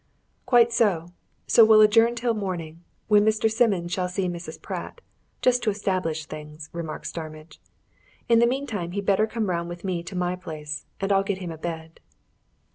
"Quite so so we'll adjourn till morning, when Mr. Simmons shall see Mrs. Pratt just to establish things," remarked Starmidge. "In the meantime he'd better come round with me to my place, and I'll get him a bed."